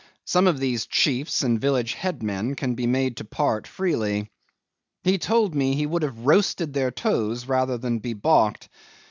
Some of these chiefs and village headmen can be made to part freely. He told me he would have roasted their toes rather than be baulked.